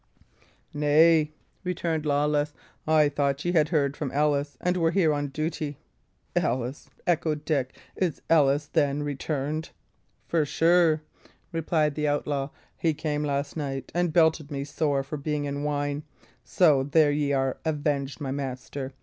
"Nay," returned Lawless, "I thought ye had heard from Ellis, and were here on duty." "Ellis!" echoed Dick. "Is Ellis, then, returned? "For sure," replied the outlaw. "He came last night, and belted me sore for being in wine so there ye are avenged, my master.